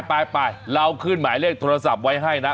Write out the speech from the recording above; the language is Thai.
ไปเราขึ้นหมายเลขโทรศัพท์ไว้ให้นะ